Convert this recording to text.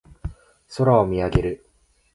空を見上げる。